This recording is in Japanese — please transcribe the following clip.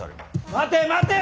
待て待て！